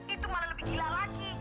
itu malah lebih gila lagi